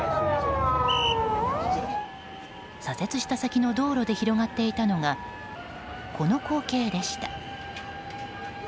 左折した先の道路で広がっていたのはこの光景でした。